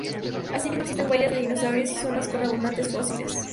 Asimismo existen huellas de dinosaurios y zonas con abundantes fósiles.